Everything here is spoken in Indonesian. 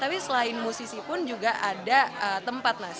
tapi selain musisi pun juga ada tempat mas